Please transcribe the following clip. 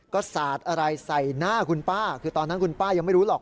ก็สาดอะไรใส่หน้าคุณป้าคือตอนนั้นคุณป้ายังไม่รู้หรอก